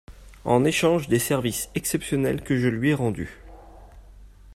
En échange des services exceptionnels que je lui ai rendus.